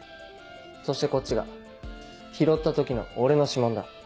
そしてこっちが拾った時の俺の指紋だ。